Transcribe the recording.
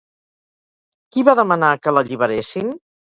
Qui va demanar que l'alliberessin?